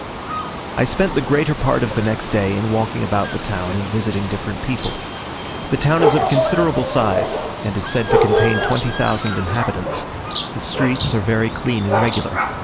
I spent the greater part of the next day in walking about the town and visiting different people. The town is of considerable size, and is said to contain 20,000 inhabitants; the streets are very clean and regular.